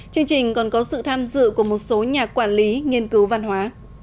chương trình còn có sự tham dự của một số nhà quản lý nghiên cứu văn hóa